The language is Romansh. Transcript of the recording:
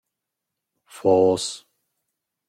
Fos!